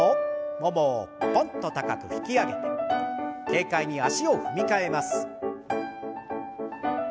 ももをポンと高く引き上げて軽快に足を踏み替えます。